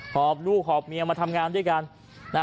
อบลูกหอบเมียมาทำงานด้วยกัน